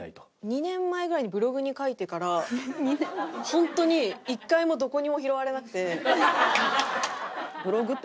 ２年前ぐらいにブログに書いてから本当に１回もどこにも拾われなくて。